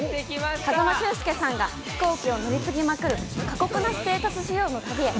風間俊介さんが飛行機を乗り継ぎまくる、過酷なステータス修行の旅へ。